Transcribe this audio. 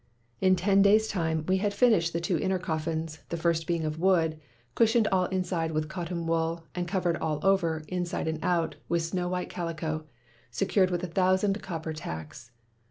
"In ten days' time we had finished the two inner coffins, the first being of wood, cushioned all inside with cotton wool, and covered all over, inside and out, with snow white calico, secured with a thousand copper tacks.